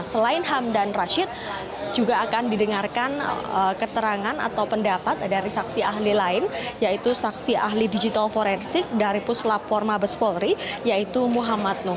selain hamdan rashid juga akan didengarkan keterangan atau pendapat dari saksi ahli lain yaitu saksi ahli digital forensik dari puslap forma bespolri yaitu muhammad nuh